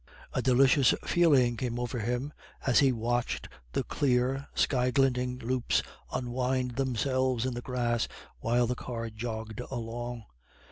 A delicious feeling came over him as he watched the clear, sky glinting loops unwind themselves in the grass while the car jogged along.